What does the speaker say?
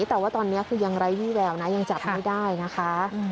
แต่ว่าตอนนี้คือยังไร้วี่แววนะยังจับไม่ได้นะคะ